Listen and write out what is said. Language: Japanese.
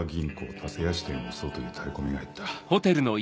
田勢谷支店を襲うというタレコミが入った。